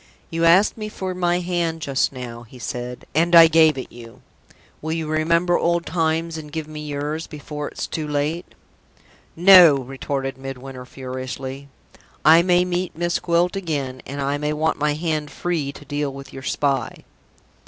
"You asked me for my hand just now," he said, "and I gave it you. Will you remember old times, and give me yours, before it's too late?" "No!" retorted Midwinter, furiously. "I may meet Miss Gwilt again, and I may want my hand free to deal with your spy!"